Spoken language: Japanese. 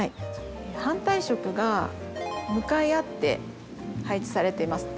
反対色が向かい合って配置されています。